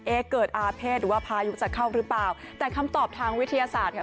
เกิดอาเภษหรือว่าพายุจะเข้าหรือเปล่าแต่คำตอบทางวิทยาศาสตร์ค่ะ